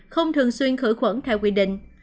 không thường xuyên khử khuẩn theo quy định